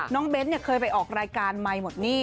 น้องเบ้นเคยไปออกรายการใหม่หมดนี่